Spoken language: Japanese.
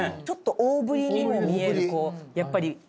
ちょっと大ぶりにも見えるこうやっぱり。